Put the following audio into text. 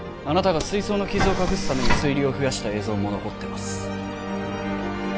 あなたが水槽の傷を隠すために水流を増やした映像も残ってます